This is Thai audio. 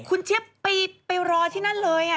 คุณเจี๊ยบไปรอที่นั่นเลย